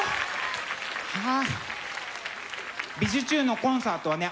はあ「びじゅチューン！」のコンサートはね